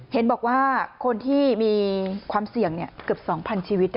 เห็นบอกว่าคนที่มีความเสี่ยงเกือบ๒๐๐๐ชีวิต